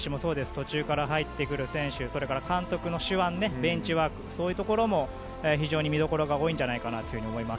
途中から入ってくる選手監督の手腕、ベンチワークそういうところも非常に見どころが多いんじゃないかなと思います。